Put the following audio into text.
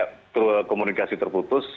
kemudian saya komunikasi terputus